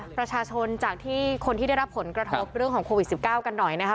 ประชาชนจากที่คนที่ได้รับผลกระทบเรื่องของโควิด๑๙กันหน่อยนะคะ